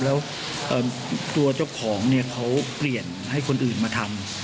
แล้วตัวเจ้าของเนี่ยเขาเปลี่ยนให้คนอื่นมาทำ